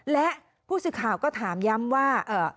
และผู้สื่อข่าวก็ถามย้ำว่า